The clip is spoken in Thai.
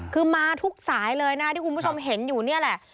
คือมาทุกสายเลยนะที่คุณผู้ชมเห็นอยู่นี่แหละ